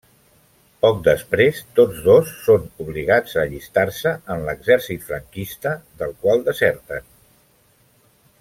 Poc després tots dos són obligats a allistar-se en l'exèrcit franquista, del qual deserten.